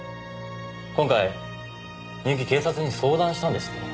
今回深雪警察に相談したんですってね。